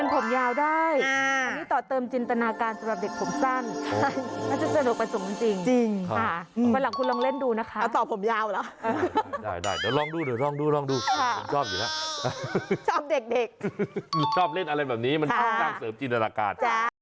เป็นผมยาวได้อันนี้ต่อเติมจิณฐานาการสำหรับเด็กผมสั้น